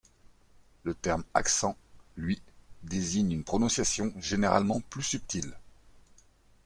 Le terme accent, lui, désigne une prononciation généralement plus subtile.